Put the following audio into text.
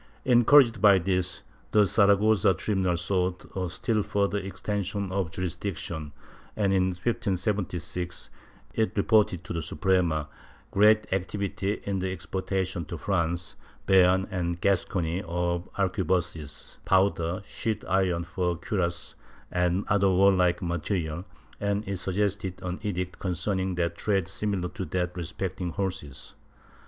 Encouraged by this, the Saragossa tribunal sought a still further extension of jurisdiction and, in 1576, it reported to the Suprema great activity in the exportation to France, Beam and Gascony of arquebuses, powder, sheet iron for cuirasses and other warlike material, and it suggested an edict concerning that trade similar to that respecting horses.